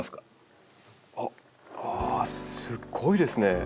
ああすごいですね。